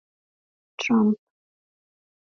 Rais wa zamani Marekani Donald Trump